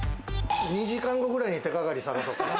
２時間後くらいに手掛かり探そうか。